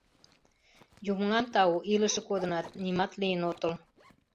Юмылан тау, илыше кодынат, нимат лийын отыл...